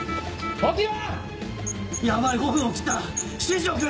起きろ！